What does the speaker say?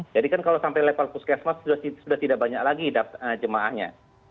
jadi kan kalau sampai level puskesmas sudah tidak banyak lagi jemaahnya